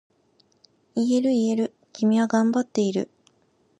言える言える、君は頑張っている。